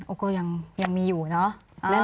ก็ยังมีอยู่เนอะ